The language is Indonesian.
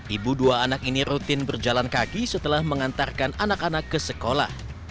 ibu dua anak ini rutin berjalan kaki setelah mengantarkan anak anak ke sekolah